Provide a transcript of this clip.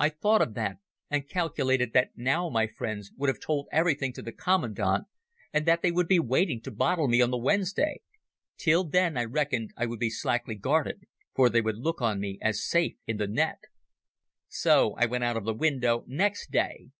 I thought of that, and calculated that now my friends would have told everything to the commandant, and that they would be waiting to bottle me on the Wednesday. Till then I reckoned I would be slackly guarded, for they would look on me as safe in the net ... "So I went out of the window next day.